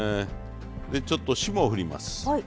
ちょっと霜を降ります。